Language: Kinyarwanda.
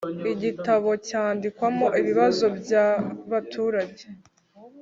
Igitabo cyandikwamo ibibazo bya baturage